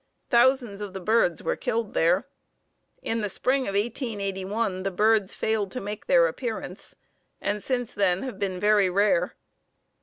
Thousands of the birds were killed there. In the spring of 1881 the birds failed to make their appearance, and since then have been very rare.